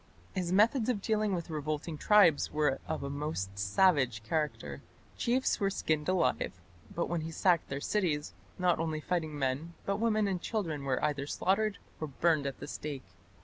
His methods of dealing with revolting tribes were of a most savage character. Chiefs were skinned alive, and when he sacked their cities, not only fighting men but women and children were either slaughtered or burned at the stake.